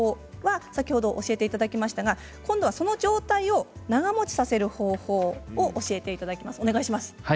先ほど教えていただきましたが今度はその状態を長もちさせる方法を教えていただきます。